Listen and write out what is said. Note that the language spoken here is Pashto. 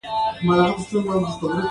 ادم له خاورې پيدا شوی و.